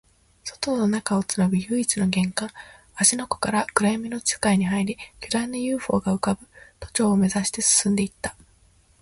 外と中をつなぐ唯一の玄関、芦ノ湖から暗闇の世界に入り、巨大な ＵＦＯ が浮ぶ都庁を目指して進んでいった